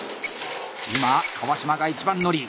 今川島が１番乗り。